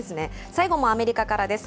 最後もアメリカからです。